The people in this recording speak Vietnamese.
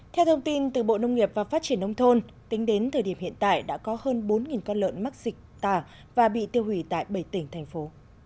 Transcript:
theo thông tin từ bộ nông nghiệp và phát triển nông thôn tính đến thời điểm hiện tại đã có hơn bốn con lợn mắc dịch tả và bị tiêu hủy tại bảy tỉnh thành phố